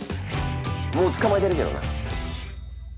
もう捕まえてるけどな。